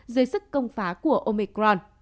dưới sức công phá của omicron